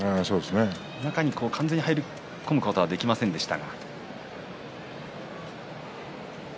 中に完全に入り込むことはできませんでした。